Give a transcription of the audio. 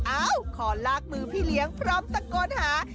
เอ้าขอลากมือพี่เลี้ยงพร้อมตะโกนหา